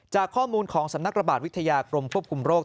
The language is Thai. จากข้อมูลของสำนักระบาดวิทยากรมควบคุมโรค